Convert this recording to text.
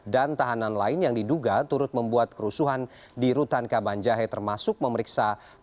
dan tahanan lain yang diduga turut membuat kerusuhan di rutan kabanjahe termasuk memeriksa